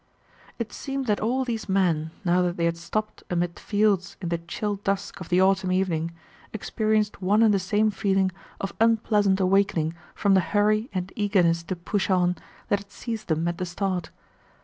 It seemed that all these men, now that they had stopped amid fields in the chill dusk of the autumn evening, experienced one and the same feeling of unpleasant awakening from the hurry and eagerness to push on that had seized them at the start.